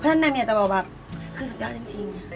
เพราะฉะนั้นได้มีอาจที่จะบอกคือสุดยอดจริง